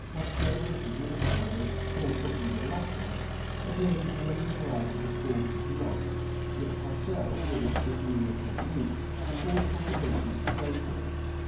Pastels and water colours, more especially the latter, appear to be a little out of the forger's line. Yet pastel, with its peculiar technique, affords possibilities for faking.